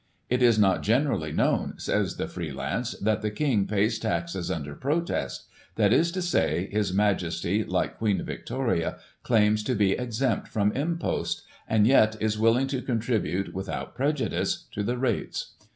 — It is not generally known (says the Free Lance) that the King pays taxes under protest — that is to say, His Majesty, like Queen Victoria, claims to be exempt from impost, and yet is willing to contribute, without prejudice, to the rates.